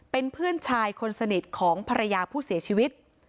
เป็นเพื่อนชายคนสนิทของภรรยาผู้เสียชีวิต